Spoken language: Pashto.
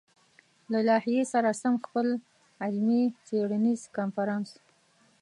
له لايحې سره سم خپل علمي-څېړنيز کنفرانس